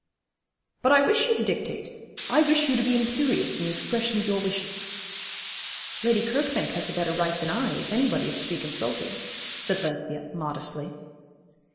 'But I wish you to dictate. I wish you to be imperious in the expression of your wishes.' 'Lady Kirkbank has a better right than I, if anybody is to be consulted,' said Lesbia, modestly.